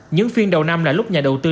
những phiên đầu năm là lúc nhà đầu tư